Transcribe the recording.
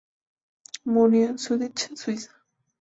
Murió en Zúrich, Suiza.